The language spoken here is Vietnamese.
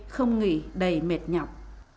không nghỉ đầy mệt nhọc